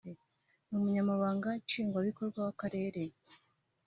n’Umunyamabanga Nshingwabikorwa w’Akarere